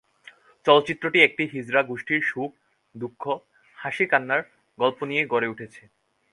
চলচ্চিত্রটি একটি হিজড়া গোষ্ঠীর সুখ-দুঃখ, হাসি-কান্নার গল্প নিয়ে গড়ে উঠেছে।